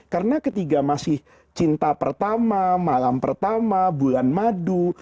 karena ketiga masih cinta pertama malam pertama bulan madu